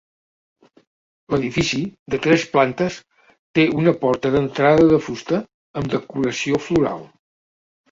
L'edifici, de tres plantes, té una porta d'entrada de fusta, amb decoració floral.